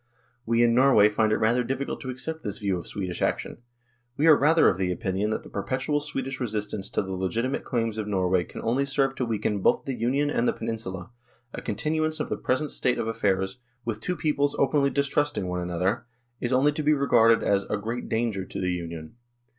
We in Norway find it rather difficult to accept this view of Swedish action ; we are rather of the opinion that the perpetual Swedish resistance to the legitimate claims of Norway can only serve to weaken both the Union and the Peninsula ; a continuance of the present state of affairs, with two peoples openly distrusting one another, is only to be regarded as a great danger to the Union.